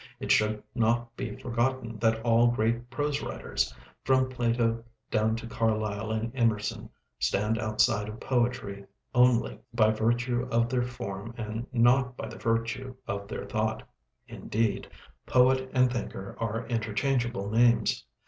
It should not be forgotten that all great prose writers, from Plato down to Carlyle and Emerson, stand outside of poetry only by virtue of their form and not by virtue of their thought; indeed, poet and thinker are interchangeable names.